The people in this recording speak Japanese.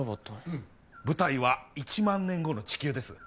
うん舞台は一万年後の地球です